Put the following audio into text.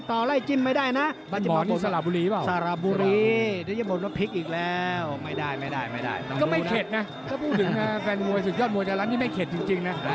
ก็ไม่เข็ดนะก็พูดถึงแฟนมวยสุดยอดมวยจาระนี้ไม่เข็ดจริงนะ